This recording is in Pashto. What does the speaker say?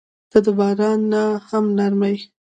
• ته د باران نه هم نرمه یې.